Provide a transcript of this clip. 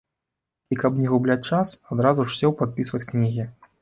І, каб не губляць час, адразу ж сеў падпісваць кнігі.